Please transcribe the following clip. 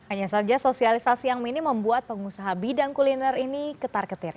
hanya saja sosialisasi yang minim membuat pengusaha bidang kuliner ini ketar ketir